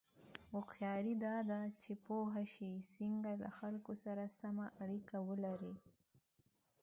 هوښیاري دا ده چې پوه شې څنګه له خلکو سره سمه اړیکه ولرې.